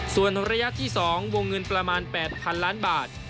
ส่วนระยะที่๒วงเงินประมาณ๘๐๐๐ล้านบาท